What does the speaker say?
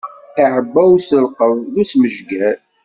Iɛebba i uselqeb d usmejger.